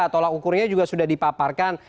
tolak ukurnya juga sudah dipaparkan